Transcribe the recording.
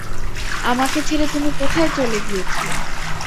আমাকে ছেড়ে তুমি কোথায় চলে গিয়েছো?